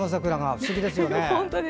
不思議ですよね。